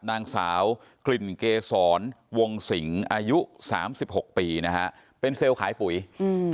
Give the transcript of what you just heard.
นางสาวกลิ่นเกษรวงสิงอายุสามสิบหกปีนะฮะเป็นเซลล์ขายปุ๋ยอืม